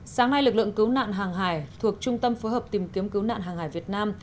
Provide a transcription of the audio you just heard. sáng nay lực lượng cứu nạn hàng hải thuộc trung tâm phối hợp tìm kiếm cứu nạn hàng hải việt nam